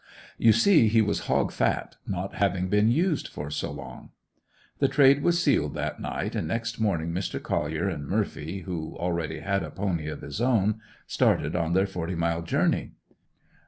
You see, he was hog fat, not having been used for so long. The trade was sealed that night and next morning Mr. Collier and Murphy, who already had a pony of his own, started on their forty mile journey.